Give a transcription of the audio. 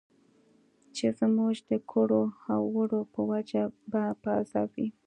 چې زموږ د کړو او وړو په وجه به په عذاب وي.